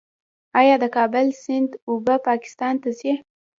آیا د کابل سیند اوبه پاکستان ته ځي؟